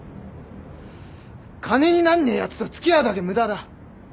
金になんねえやつとは付き合うだけ無駄だ。